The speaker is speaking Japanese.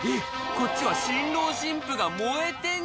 こっちは新郎新婦が燃えてんじゃん！